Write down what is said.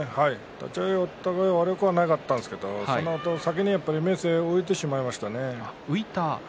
立ち合い悪くはなかったんですけどやはり明生は浮いてしまいましたね。